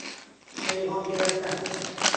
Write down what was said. پیغام گرفتن